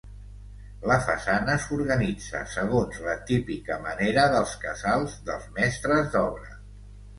La façana s'organitza segons la típica manera dels casals dels mestres d'obra.